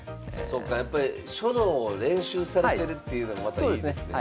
そっかやっぱり書道を練習されてるっていうのもまたいいですね。